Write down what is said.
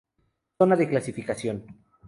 Zona de clasificación.